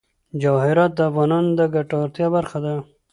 جواهرات د افغانانو د ګټورتیا برخه ده.